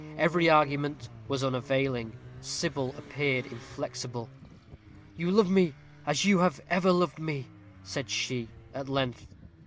Every argument was unavailing. Sybil appeared inflexible. "You love me as you have ever loved me?" said she, at length.